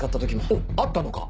おっあったのか。